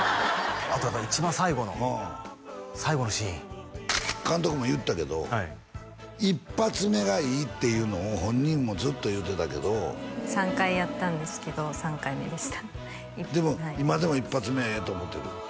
あとやっぱり一番最後の最後のシーン監督も言ったけどはい一発目がいいっていうのを本人もずっと言うてたけど３回やったんですけど３回目でしたでも今でも一発目がええと思ってる？